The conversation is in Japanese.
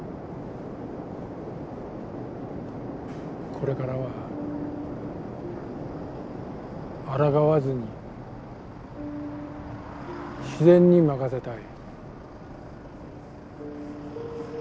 これからはあらがわずに自然に任せたい。